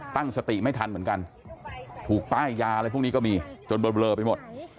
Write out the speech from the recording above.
ตั้งสติไม่ทันเหมือนกันถูกป้ายยาอะไรพวกนี้ก็มีจนเบลอไปหมด